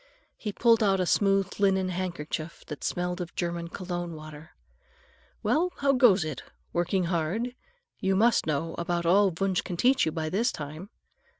He pulled out a smooth linen handkerchief that smelled of German cologne water. "Well, how goes it? Working hard? You must know about all Wunsch can teach you by this time."